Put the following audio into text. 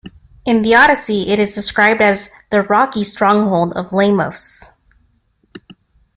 In the "Odyssey", it is described as the rocky stronghold of Lamos.